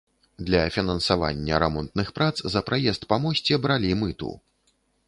Для фінансавання рамонтных прац за праезд па мосце бралі мыту.